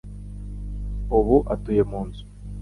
Ubu atuye mu nzu.